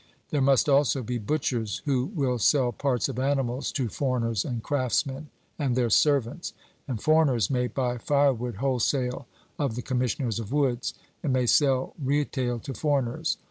There must also be butchers who will sell parts of animals to foreigners and craftsmen, and their servants; and foreigners may buy firewood wholesale of the commissioners of woods, and may sell retail to foreigners.